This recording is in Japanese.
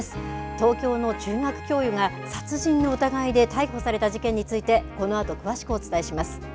東京の中学教諭が殺人の疑いで逮捕された事件についてこのあと詳しくお伝えします。